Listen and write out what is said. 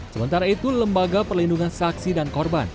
sementara itu lembaga perlindungan saksi dan korban